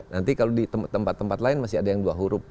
nanti kalau di tempat tempat lain masih ada yang dua huruf